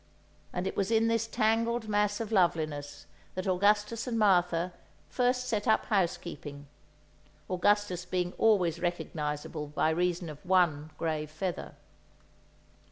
And it was in this tangled mass of loveliness that Augustus and Martha first set up housekeeping. (Augustus being always recognizable by reason of one grey feather.)